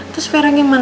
terus vera gimana